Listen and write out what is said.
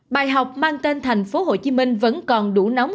bài học mang tên thành phố hồ chí minh vẫn còn đủ nóng